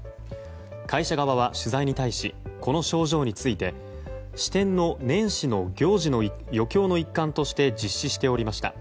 会社側は取材に対しこの賞状について支店の年始の行事の余興の一環として実施しておりました。